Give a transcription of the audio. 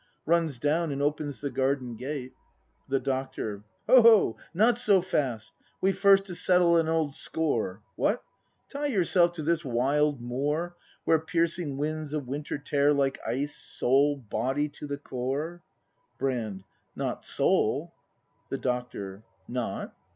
[Runs down and oyens the garden gate. The Doctor. Ho, not so fast! We've first to settle an old score. — What! Tie yourself to this wild moor. Where piercing winds of winter tear Like ice, soul, body to the core Brand. Not soul. The Doctor. Not